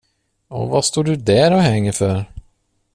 Och vad står du där och hänger för?